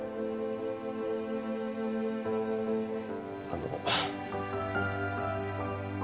あの。